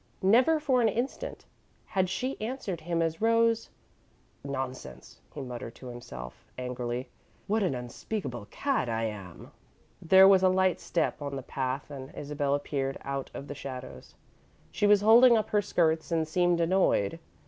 Never for an instant had she answered him as Rose "Nonsense," he muttered to himself, angrily. "What an unspeakable cad I am!" There was a light step on the path and Isabel appeared out of the shadows. She was holding up her skirts and seemed annoyed.